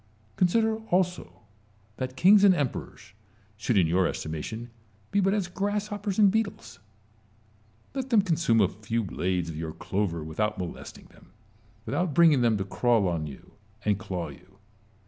Consider also that kings and emperors should in your estimation be but as grasshoppers and beetles : let them consume a few blades of your clover with out molesting them, without bringing them to crawl on you and claw you.